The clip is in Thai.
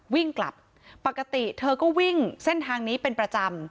วิ่งกลับปกติเธอก็วิ่งเส้นทางนี้เป็นประจำ